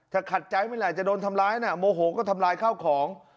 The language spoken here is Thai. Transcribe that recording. ถ้าขัดใจไม่ไหรจะโดนทำร้ายนะโมโหก็ทำลายข้าวของ